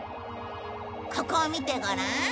ここを見てごらん。